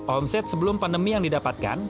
omset sebelum pandemi yang didapatkan